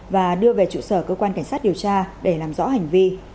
và đưa về trụ sở cơ quan cảnh sát điều tra để làm rõ hành vi